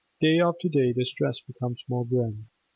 Day after day the stress becomes more grim.